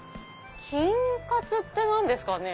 金カツって何ですかね？